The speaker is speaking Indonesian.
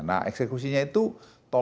nah eksekusinya itu tol laut